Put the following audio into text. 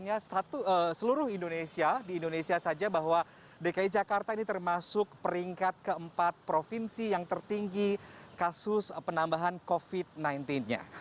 hanya seluruh indonesia di indonesia saja bahwa dki jakarta ini termasuk peringkat keempat provinsi yang tertinggi kasus penambahan covid sembilan belas nya